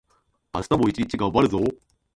明日も一日がんばるぞ